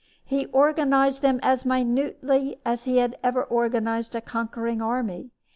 He organized them as minutely as he had ever organized a conquering army.